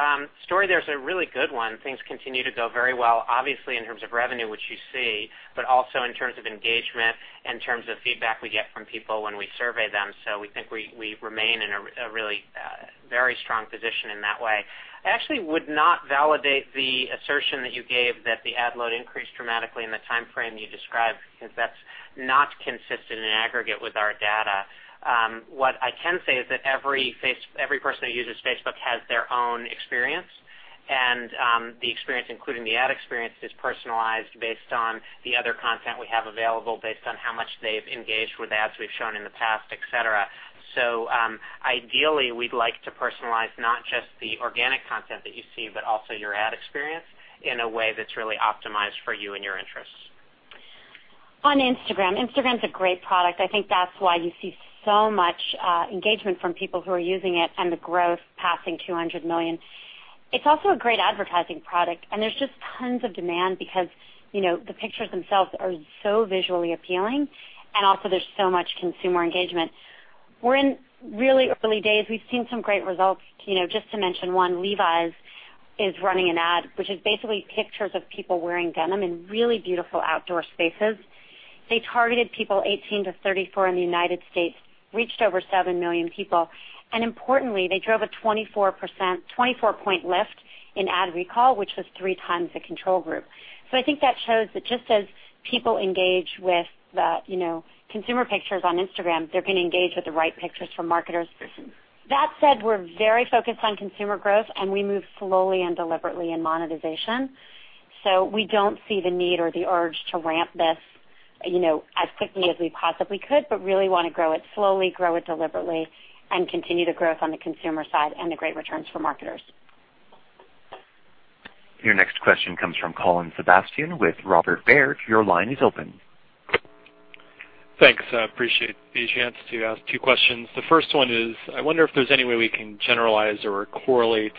story there is a really good one. Things continue to go very well, obviously in terms of revenue, which you see, but also in terms of engagement, in terms of feedback we get from people when we survey them. We think we remain in a really very strong position in that way. I actually would not validate the assertion that you gave that the ad load increased dramatically in the time frame you described, because that's not consistent in aggregate with our data. What I can say is that every person that uses Facebook has their own experience, and the experience, including the ad experience, is personalized based on the other content we have available, based on how much they've engaged with ads we've shown in the past, et cetera. Ideally, we'd like to personalize not just the organic content that you see, but also your ad experience in a way that's really optimized for you and your interests. On Instagram. Instagram's a great product. I think that's why you see so much engagement from people who are using it and the growth passing 200 million. It's also a great advertising product, and there's just tons of demand because the pictures themselves are so visually appealing, and also there's so much consumer engagement. We're in really early days. We've seen some great results. Just to mention one, Levi's is running an ad, which is basically pictures of people wearing denim in really beautiful outdoor spaces. They targeted people 18 to 34 in the United States, reached over seven million people, and importantly, they drove a 24-point lift in ad recall, which was three times the control group. I think that shows that just as people engage with the consumer pictures on Instagram, they're going to engage with the right pictures from marketers. That said, we're very focused on consumer growth. We move slowly and deliberately in monetization. We don't see the need or the urge to ramp this as quickly as we possibly could, but really want to grow it slowly, grow it deliberately, and continue the growth on the consumer side and the great returns for marketers. Your next question comes from Colin Sebastian with Robert Baird. Your line is open. Thanks. I appreciate the chance to ask two questions. The first one is, I wonder if there's any way we can generalize or correlate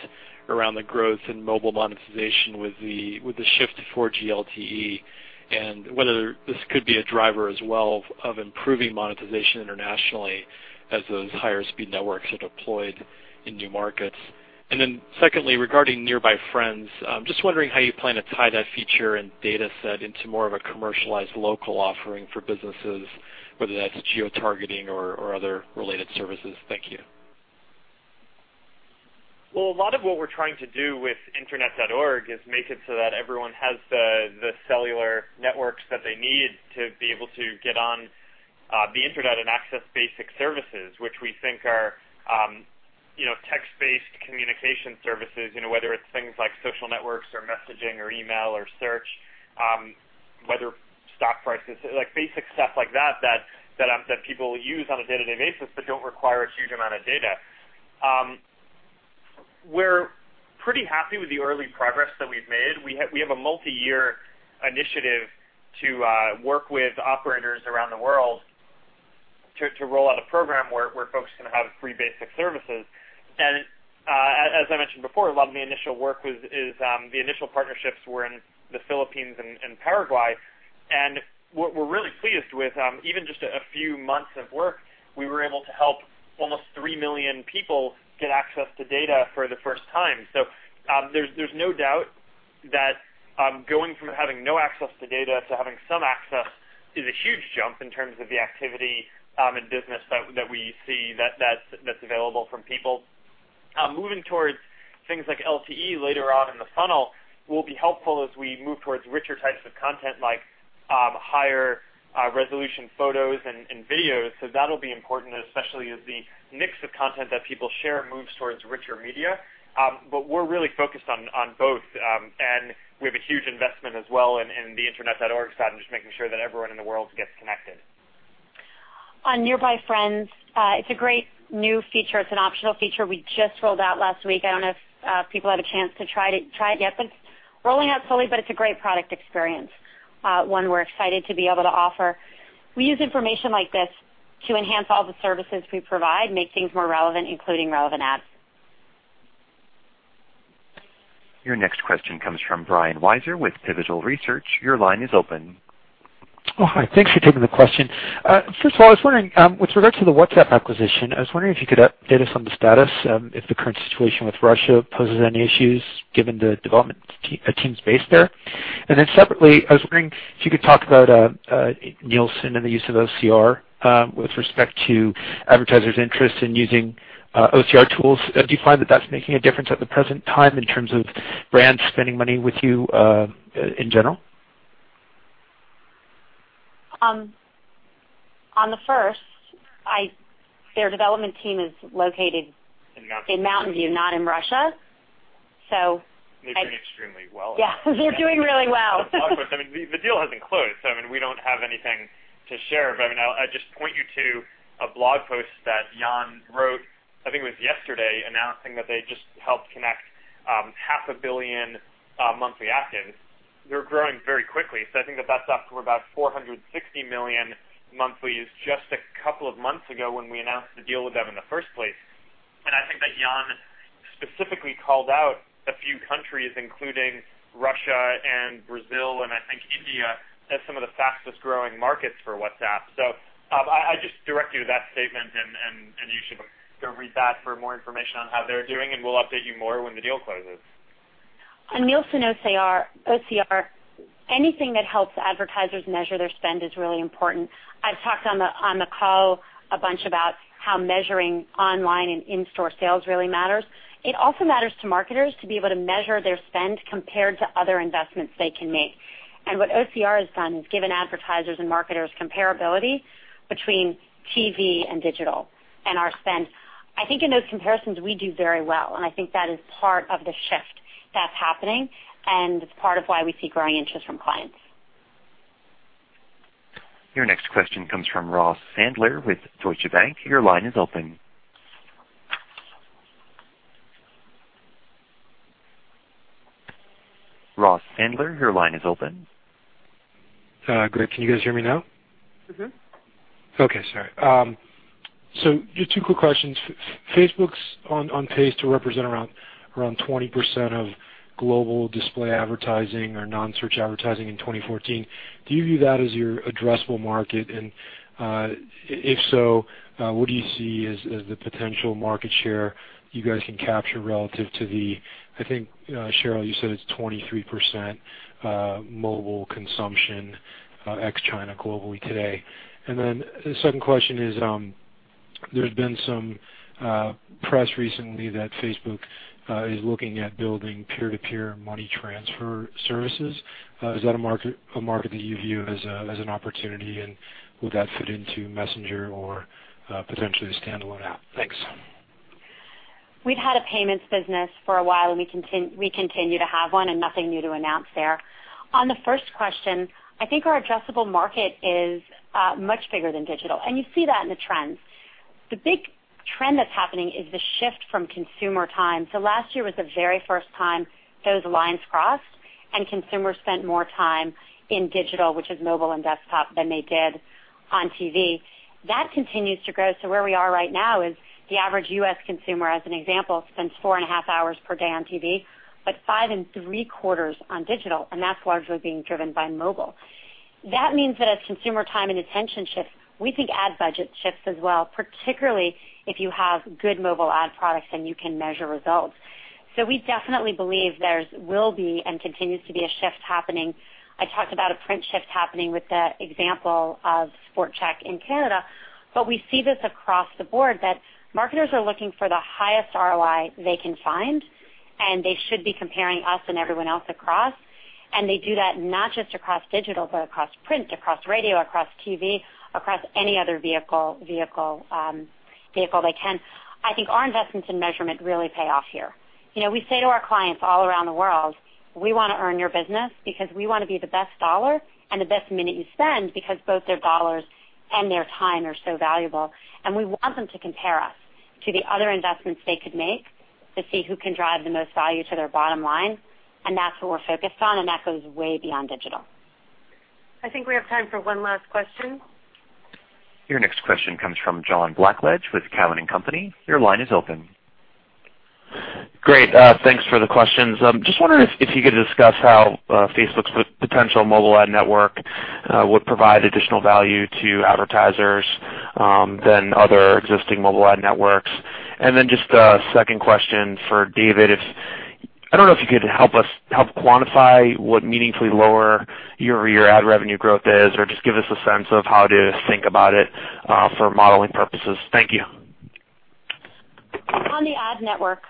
around the growth in mobile monetization with the shift to 4G LTE, whether this could be a driver as well of improving monetization internationally as those higher speed networks are deployed in new markets. Secondly, regarding Nearby Friends, I'm just wondering how you plan to tie that feature and data set into more of a commercialized local offering for businesses, whether that's geotargeting or other related services. Thank you. Well, a lot of what we're trying to do with Internet.org is make it so that everyone has the cellular networks that they need to be able to get on the internet and access basic services, which we think are text-based communication services, whether it's things like social networks or messaging, or email or search, whether stock prices, basic stuff like that people use on a day-to-day basis but don't require a huge amount of data. We're pretty happy with the early progress that we've made. We have a multi-year initiative to work with operators around the world to roll out a program where folks can have free basic services. As I mentioned before, a lot of the initial work, the initial partnerships were in the Philippines and Paraguay. What we're really pleased with, even just a few months of work, we were able to help almost 3 million people get access to data for the first time. There's no doubt that going from having no access to data to having some access is a huge jump in terms of the activity and business that we see that's available from people. Moving towards things like LTE later on in the funnel will be helpful as we move towards richer types of content like higher resolution photos and videos. That'll be important, especially as the mix of content that people share moves towards richer media. We're really focused on both, and we have a huge investment as well in the Internet.org side, and just making sure that everyone in the world gets connected. On Nearby Friends, it's a great new feature. It's an optional feature we just rolled out last week. I don't know if people had a chance to try it yet, but it's rolling out slowly, but it's a great product experience, one we're excited to be able to offer. We use information like this to enhance all the services we provide, make things more relevant, including relevant ads. Your next question comes from Brian Wieser with Pivotal Research. Your line is open. Oh, hi. Thanks for taking the question. First of all, I was wondering, with regard to the WhatsApp acquisition, I was wondering if you could update us on the status, if the current situation with Russia poses any issues, given the development team's base there. Then separately, I was wondering if you could talk about Nielsen and the use of OCR with respect to advertisers' interest in using OCR tools. Do you find that that's making a difference at the present time in terms of brands spending money with you in general? On the first, their development team is located. In Mountain View. In Mountain View, not in Russia. They're doing extremely well. Yeah, they're doing really well. I'd just point you to a blog post that Jan wrote, I think it was yesterday, announcing that they just helped connect half a billion monthly actives. They're growing very quickly. I think that that's up to about 460 million monthly is just a couple of months ago when we announced the deal with them in the first place. I think that Jan specifically called out a few countries, including Russia and Brazil, and I think India, as some of the fastest-growing markets for WhatsApp. I just direct you to that statement, and you should go read that for more information on how they're doing, and we'll update you more when the deal closes. On Nielsen OCR, anything that helps advertisers measure their spend is really important. I've talked on the call a bunch about how measuring online and in-store sales really matters. It also matters to marketers to be able to measure their spend compared to other investments they can make. What OCR has done is given advertisers and marketers comparability between TV and digital and our spend. I think in those comparisons, we do very well, and I think that is part of the shift that's happening, and it's part of why we see growing interest from clients. Your next question comes from Ross Sandler with Deutsche Bank. Your line is open. Ross Sandler, your line is open. Great. Can you guys hear me now? Okay. Sorry. Two quick questions. Facebook's on pace to represent around 20% of global display advertising or non-search advertising in 2014. Do you view that as your addressable market? If so, what do you see as the potential market share you guys can capture relative to the, I think, Sheryl, you said it's 23% mobile consumption ex China globally today. The second question is, there's been some press recently that Facebook is looking at building peer-to-peer money transfer services. Is that a market that you view as an opportunity, and would that fit into Messenger or potentially a standalone app? Thanks. We've had a payments business for a while. We continue to have one and nothing new to announce there. On the first question, I think our addressable market is much bigger than digital. You see that in the trends. The big trend that's happening is the shift from consumer time. Last year was the very first time those lines crossed and consumers spent more time in digital, which is mobile and desktop, than they did on TV. That continues to grow. Where we are right now is the average U.S. consumer, as an example, spends four and a half hours per day on TV, but five and three quarters on digital, and that's largely being driven by mobile. That means that as consumer time and attention shifts, we think ad budget shifts as well, particularly if you have good mobile ad products and you can measure results. We definitely believe there will be and continues to be a shift happening. I talked about a print shift happening with the example of Sport Chek in Canada, but we see this across the board, that marketers are looking for the highest ROI they can find. They should be comparing us and everyone else across. They do that not just across digital, but across print, across radio, across TV, across any other vehicle they can. I think our investments in measurement really pay off here. We say to our clients all around the world, "We want to earn your business because we want to be the best $ and the best minute you spend," because both their $ and their time are so valuable. We want them to compare us to the other investments they could make to see who can drive the most value to their bottom line. That's what we're focused on, and that goes way beyond digital. I think we have time for one last question. Your next question comes from John Blackledge with Cowen and Company. Your line is open. Great. Thanks for the questions. Just wondering if you could discuss how Facebook's potential mobile ad network would provide additional value to advertisers than other existing mobile ad networks. Just a second question for David. I don't know if you could help quantify what meaningfully lower year-over-year ad revenue growth is, or just give us a sense of how to think about it for modeling purposes. Thank you. On the ad network,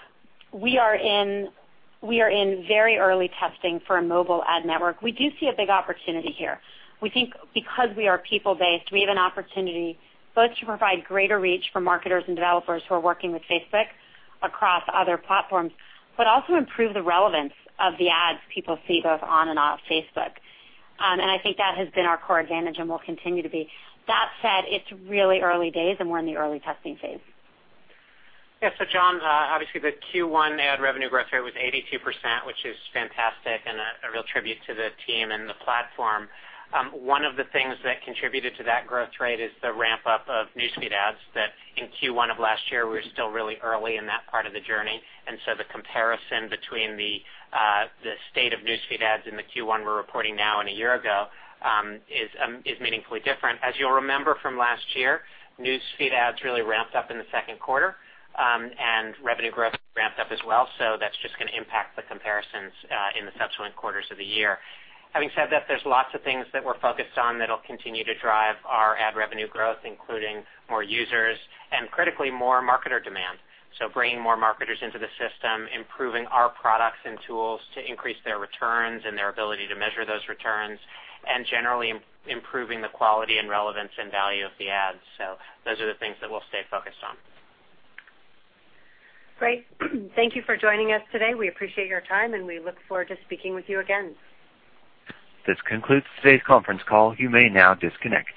we are in very early testing for a mobile ad network. We do see a big opportunity here. We think because we are people-based, we have an opportunity both to provide greater reach for marketers and developers who are working with Facebook across other platforms, but also improve the relevance of the ads people see both on and off Facebook. I think that has been our core advantage and will continue to be. That said, it's really early days and we're in the early testing phase. Yeah. John, obviously the Q1 ad revenue growth rate was 82%, which is fantastic and a real tribute to the team and the platform. One of the things that contributed to that growth rate is the ramp-up of News Feed ads that in Q1 of last year, we were still really early in that part of the journey. The comparison between the state of News Feed ads in the Q1 we're reporting now and a year ago, is meaningfully different. As you'll remember from last year, News Feed ads really ramped up in the second quarter, and revenue growth ramped up as well. That's just going to impact the comparisons in the subsequent quarters of the year. Having said that, there's lots of things that we're focused on that'll continue to drive our ad revenue growth, including more users and critically, more marketer demand. Bringing more marketers into the system, improving our products and tools to increase their returns and their ability to measure those returns, and generally improving the quality and relevance and value of the ads. Those are the things that we'll stay focused on. Great. Thank you for joining us today. We appreciate your time, and we look forward to speaking with you again. This concludes today's conference call. You may now disconnect.